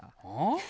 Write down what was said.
ああ？